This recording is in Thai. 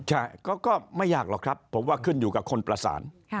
ใช่ก็ไม่ยากหรอกครับผมว่าขึ้นอยู่กับคนประสาน